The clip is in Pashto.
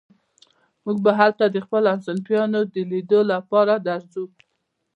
موږ به هلته د خپلو همصنفيانو د ليدو لپاره درځو.